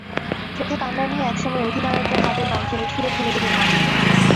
চোখে কান্না নিয়ে একসময় অধিনায়কের হাতের বন্ধনী ছুড়ে ফেলে দিলেন মাটিতে।